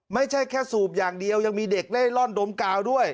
ไม่ใช่แค่สูบอย่างเดียวยังมีเด็กเล่นร่อนดมกาวด้วย